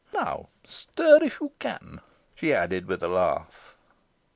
"Now, stir if you can," she added with a laugh.